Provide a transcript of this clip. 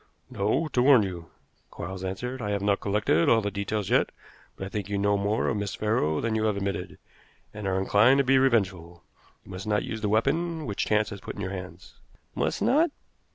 "No; to warn you," Quarles answered. "I have not collected all the details yet, but I think you know more of Miss Farrow than you have admitted, and are inclined to be revengeful. You must not use the weapon which chance has put into your hands." "Must not?"